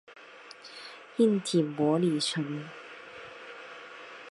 硬体模拟层。